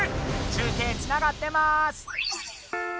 中継つながってます。